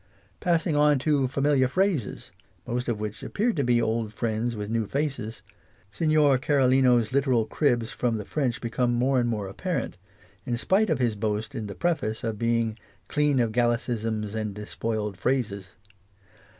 Passing on to " Familiar Phrases," most of which appear to be old friends with new faces, Senhor Carolino's literal cribs from the French become more and more apparent, in spite of his boast in the Preface of being " clean of gal licisms and despoiled phrases."